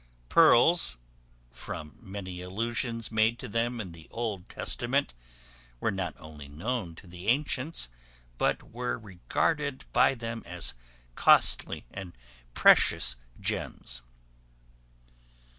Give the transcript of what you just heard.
Pearls, from many allusions made to them in the Old Testament, were not only known to the ancients, but were regarded by them as costly and precious gems.